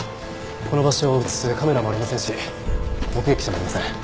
この場所を映すカメラもありませんし目撃者もいません。